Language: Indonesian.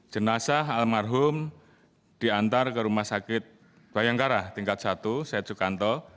jenazah almarhum diantar ke rumah sakit bayangkara tingkat satu setjukanto